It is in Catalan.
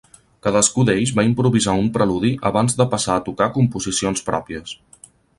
Cadascú d'ells va improvisar un preludi abans de passar a tocar composicions pròpies.